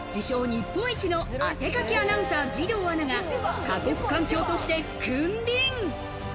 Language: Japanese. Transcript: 日本一の汗かきアナウンサー、義堂アナが過酷環境として君臨。